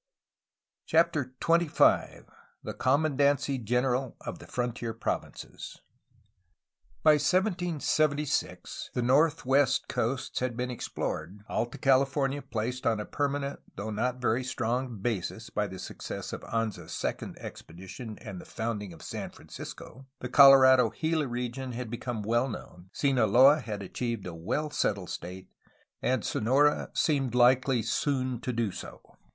CHAPTER XXV THE COMMANDANCY GENERAL OF THE FRONTIER PROVINCES By 1776 the northwest coasts had been explored, Alta California placed on a permanent (though not very strong) basis by the success of Anza's second expedition and the founding of San Francisco, the Colorado Gila region had become well known, Sinaloa had achieved a well settled state, and Sonora seemed likely soon to do so.